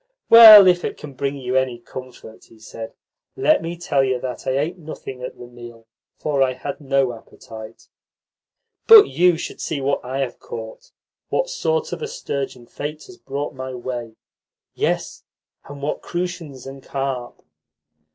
"Well, if it can bring you any comfort," he said, "let me tell you that I ate nothing at the meal, for I had no appetite." "But you should see what I have caught what sort of a sturgeon fate has brought my way! Yes, and what crucians and carp!"